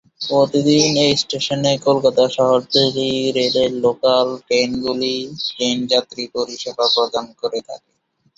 প্রতিদিন এই স্টেশনে কলকাতা শহরতলি রেলের লোকাল ট্রেনগুলি ট্রেন যাত্রী পরিষেবা প্রদান করে থাকে।